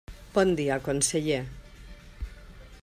Bon dia, conseller.